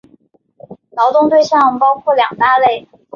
劳动对象包括两大类。